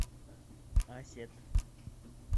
— Асет.